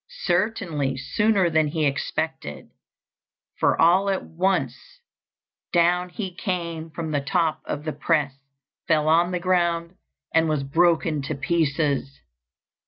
Certainly sooner than he expected for all at once down he came from the top of the press, fell on the ground, and was broken to pieces.